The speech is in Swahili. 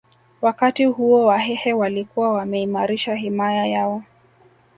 Wakati huo Wahehe walikuwa wameimarisha himaya yao